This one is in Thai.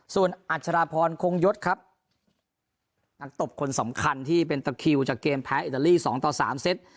ส่วนอัชราพรคงยศครับนักตบคนสำคัญที่เป็นตะคิวจากเกมแพ้อิตาลีสองต่อสามเซต